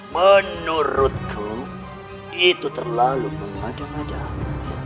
menurutku itu terlalu mengadang adang